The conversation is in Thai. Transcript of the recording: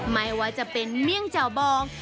ไม่ว่าจะเป็นเมี่ยงเจ้าบอง